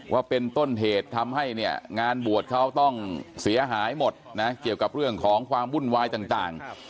ว่าเป็นต้นเหตุทำให้เนี่ยงานบวชเขาต้องเสียหายหมดนะเกี่ยวกับเรื่องของความวุ่นวายต่าง